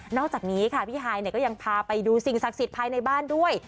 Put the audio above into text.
อกจากนี้ค่ะพี่ฮายก็ยังพาไปดูสิ่งศักดิ์สิทธิ์ภายในบ้านด้วย